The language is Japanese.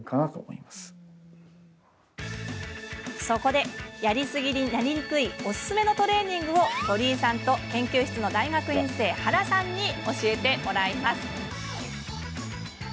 そこで、やりすぎになりにくいおすすめのトレーニングを鳥居さんと研究室の大学院生原さんに教えてもらいます。